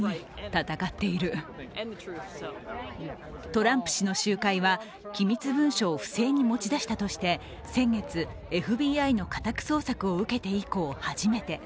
トランプ氏の集会は機密文書を不正に持ち出したとして先月、ＦＢＩの家宅捜索を受けて以降初めて。